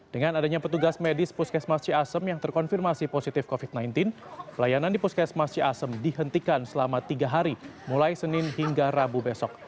dengan adanya petugas medis puskesmas ciasem yang terkonfirmasi positif covid sembilan belas pelayanan di puskesmas ciasem dihentikan selama tiga hari mulai senin hingga rabu besok